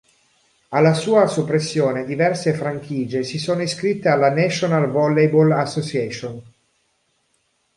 Alla sua soppressione diverse franchigie si sono iscritte alla National Volleyball Association.